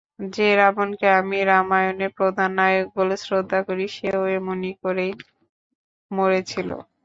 যে রাবণকে আমি রামায়ণের প্রধান নায়ক বলে শ্রদ্ধা করি সেও এমনি করেই মরেছিল।